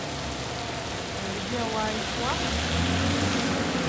Иаргьы ауаа ишьуама?